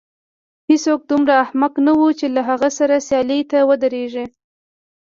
هېڅوک دومره احمق نه و چې له هغه سره سیالۍ ته ودرېږي.